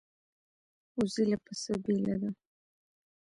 وزې له پسه بېله ده